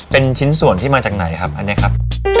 เป็นชิ้นส่วนที่มาจากไหนครับอันนี้ครับ